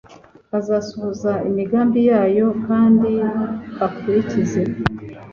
bazasohoza imigambi yayo kandi bakurikize